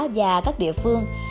và các địa phương